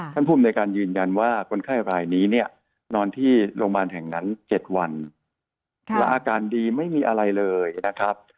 ภูมิในการยืนยันว่าคนไข้รายนี้เนี่ยนอนที่โรงพยาบาลแห่งนั้น๗วันและอาการดีไม่มีอะไรเลยนะครับ